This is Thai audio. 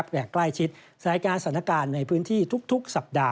และใกล้ชิดสถานการณ์ศนาการในพื้นที่ทุกสัปดาห์